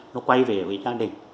nó quay về với gia đình